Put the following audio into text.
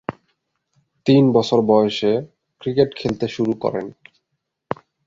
তিন বছর বয়সে ক্রিকেট খেলতে শুরু করেন।